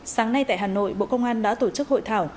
sáng nay tại hà nội bộ công an đã tổ chức hội thảo